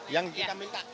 yang kita minta